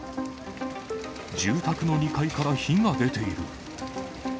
住宅の２階から火が出ている。